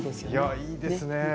いやいいですね。